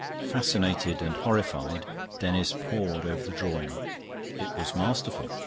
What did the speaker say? Fascinated and horrified, Denis pored over the drawing. It was masterful.